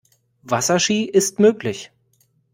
Wasserski ist möglich.